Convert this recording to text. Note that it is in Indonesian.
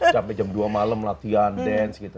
sampe jam dua malem latihan dance gitu